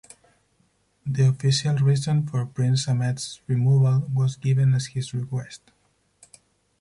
The official reason for Prince Ahmed's removal was given as his request.